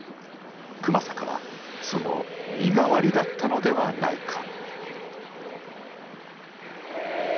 熊坂はその身代わりだったのではないか。